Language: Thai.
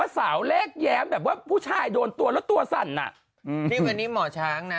สาวแลกแย้มแบบว่าผู้ชายโดนตัวแล้วตัวสั่นอ่ะอืมนี่วันนี้หมอช้างนะ